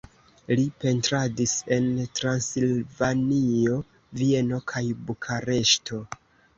Li pentradis en Transilvanio, Vieno kaj Bukareŝto.